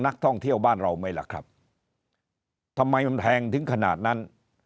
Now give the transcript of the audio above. นักท่องเที่ยวบ้านเราไหมล่ะครับทำไมมันแพงถึงขนาดนั้น